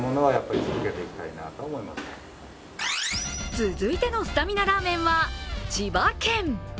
続いてのスタミナラーメンは千葉県。